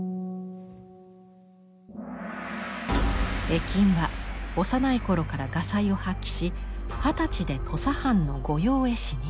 絵金は幼いころから画才を発揮し二十歳で土佐藩の御用絵師に。